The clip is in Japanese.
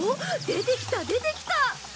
出てきた出てきた！